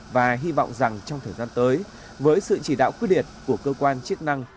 và hy vọng rằng trong thời gian tới với sự chỉ đạo quyết liệt của cơ quan chức năng